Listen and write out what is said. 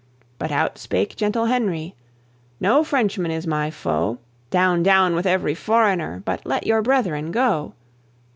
But out spake gentle Henry, "No Frenchman is my foe: Down, down with every foreigner, but let your brethren go."